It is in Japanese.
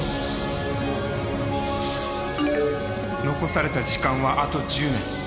残された時間はあと１０年。